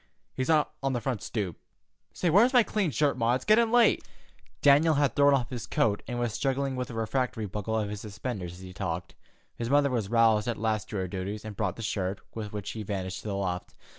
He's on the front stoop. Say, where is my clean shirt, Ma? It's gettin' late." Daniel had thrown off his coat and was struggling with a refractory buckle of his suspenders as he talked. His mother was roused at last to her duties, and brought the shirt, with which he vanished to the loft.